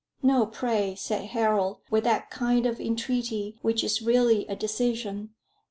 "No, pray," said Harold, with that kind of entreaty which is really a decision.